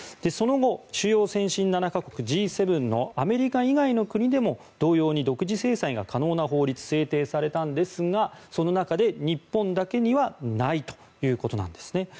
その後、主要先進７か国・Ｇ７のアメリカ以外の国でも同様に独自制裁が可能な法律が制定されたんですがその中で日本だけにはないということなんですね。